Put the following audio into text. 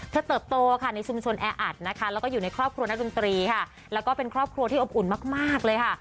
เติบโตค่ะในชุมชนแออัดนะคะแล้วก็อยู่ในครอบครัวนักดนตรีค่ะแล้วก็เป็นครอบครัวที่อบอุ่นมากเลยค่ะ